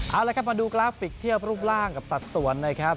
เอาแล้วล่ะครับราฟฟิกเทียบรูปร่างกับสัตว์สวนนะครับ